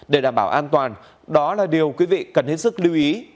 để đảm bảo an toàn đó là điều quý vị cần hết sức lưu ý